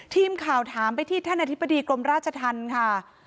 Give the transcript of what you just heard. ทีมข่าวถามไปที่ท่านอธิบดีกรมราชธรรมค่ะ